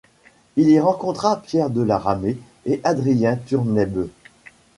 Il y rencontra Pierre de La Ramée et Adrien Turnèbe.